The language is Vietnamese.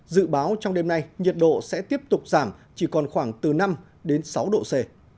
dự báo trong đêm nay nhiệt độ sẽ tiếp tục giảm chỉ còn khoảng từ năm đến sáu độ c